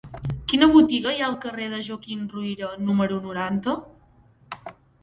Quina botiga hi ha al carrer de Joaquim Ruyra número noranta?